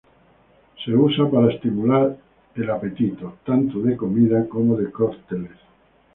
Se usa para estimular el apetito, tanto de comida como de cócteles.